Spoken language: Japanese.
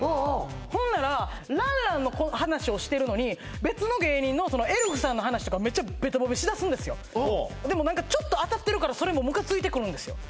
ほんなら爛々の話をしてるのに別の芸人のエルフさんの話とかしだすんですよでもちょっと当たってるからそれもムカついてくるんですよ